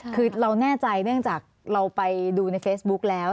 คือเราแน่ใจเนื่องจากเราไปดูในเฟซบุ๊กแล้ว